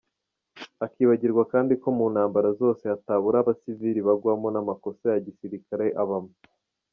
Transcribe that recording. Akibagirwa kandi ko mu ntambara zose hatabura abasiviri bagwamo n’amakosa ya gisilikare abamo !